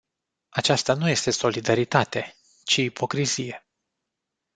Aceasta nu este solidaritate, ci ipocrizie.